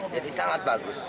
jadi sangat bagus